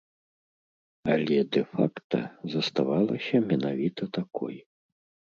Але дэ-факта заставалася менавіта такой.